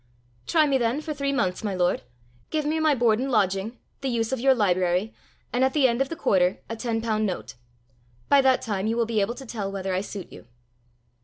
"Try me then for three months, my lord; give me my board and lodging, the use of your library, and at the end of the quarter a ten pound note: by that time you will be able to tell whether I suit you."